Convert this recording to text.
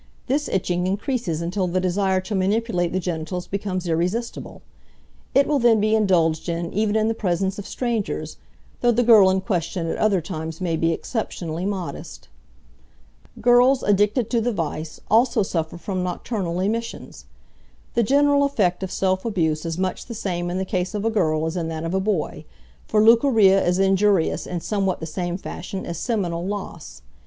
This itching increases until the desire to manipulate the genitals becomes irresistible. It will then be indulged in even in the presence of strangers, though the girl in question at other times may be exceptionally modest. Girls addicted to the vice also suffer from nocturnal emissions. The general effect of self abuse is much the same in the case of a girl as in that of a boy, for leucorrhea is injurious in somewhat the same fashion as seminal loss.